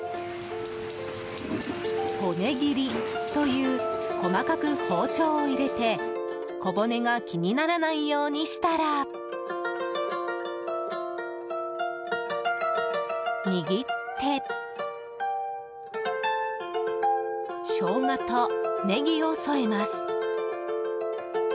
骨切りという細かく包丁を入れて小骨が気にならないようにしたら握ってショウガとネギを添えます。